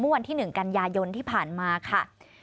วันที่๑กันยายนที่ผ่านมาค่ะ